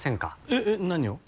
えっ何を？